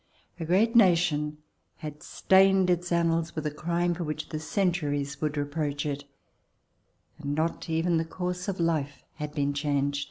A great nation had stained its annals with a crime for which the centu ries would reproach it, and not even the course of life had been changed.